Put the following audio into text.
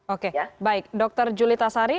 oke baik dokter julita sari